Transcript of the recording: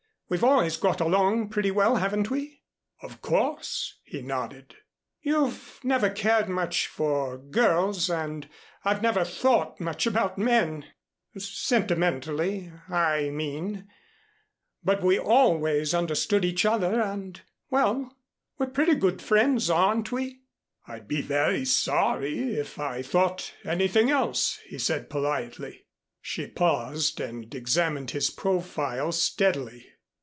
We've always got along pretty well, haven't we?" "Of course," he nodded. "You've never cared much for girls and I've never thought much about men sentimentally I mean but we always understood each other and well we're pretty good friends, aren't we?" "I'd be very sorry if I thought anything else," he said politely. She paused and examined his profile steadily.